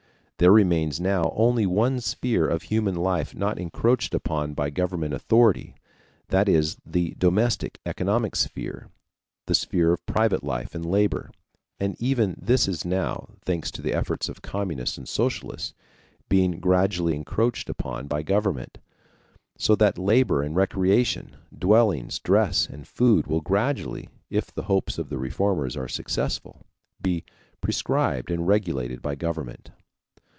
There remains now only one sphere of human life not encroached upon by government authority that is the domestic, economic sphere, the sphere of private life and labor. And even this is now thanks to the efforts of communists and socialists being gradually encroached upon by government, so that labor and recreation, dwellings, dress, and food will gradually, if the hopes of the reformers are successful, be prescribed and regulated by government.